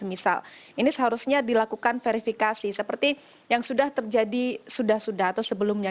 misal ini seharusnya dilakukan verifikasi seperti yang sudah terjadi sudah sudah atau sebelumnya